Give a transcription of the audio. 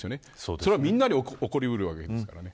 それは、みんなに起こり得るわけですからね。